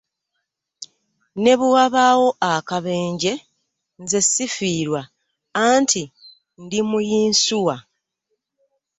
Ne bwe wabaawo akabenje nze ssifiirwa anti ndi mu yinsuwa.